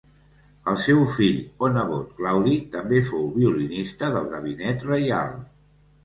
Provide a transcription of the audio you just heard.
El seu fill o nebot Claudi també fou violinista del gabinet reial.